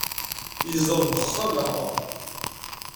Yezdeɣ deg uxxam-a.